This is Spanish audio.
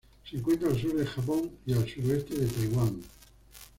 Se encuentra al sur del Japón y el suroeste de Taiwán.